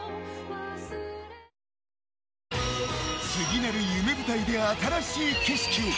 次なる夢舞台で新しい景色を。